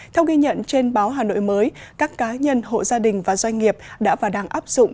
theo ghi nhận trên báo hà nội mới các cá nhân hộ gia đình và doanh nghiệp đã và đang áp dụng